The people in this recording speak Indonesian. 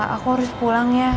aku harus pulang ya